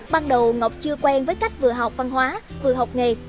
ban đầu ngọc chưa quen với cách vừa học văn hóa vừa học nghề